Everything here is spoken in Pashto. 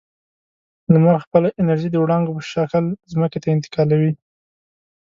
لمر خپله انرژي د وړانګو په شکل ځمکې ته انتقالوي.